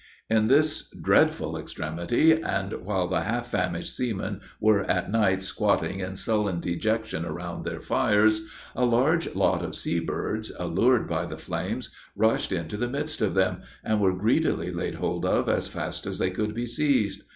In this dreadful extremity, and while the half famished seamen were at night squatting in sullen dejection around their fires, a large lot of sea birds, allured by the flames, rushed into the midst of them, and were greedily laid hold of as fast as they could be seized.